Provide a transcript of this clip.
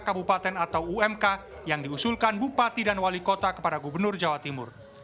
kabupaten atau umk yang diusulkan bupati dan wali kota kepada gubernur jawa timur